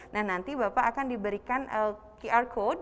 nah nanti bapak akan diberikan qr code